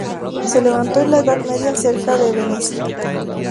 Se levantó en la Edad Media cerca de Venecia.